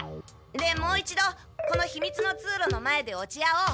でもう一度このひみつの通路の前で落ち合おう。